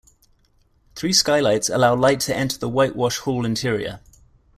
Three skylights allow light to enter the white wash hall interior.